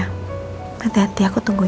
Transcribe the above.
hati hati aku tunggu